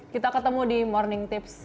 kita ketemu di morning tips